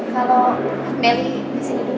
kalau melly disini dulu